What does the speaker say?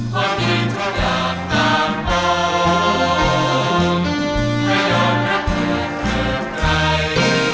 พอดีทุกอย่างตามผมไม่ยอมรับเผื่อเผื่อใคร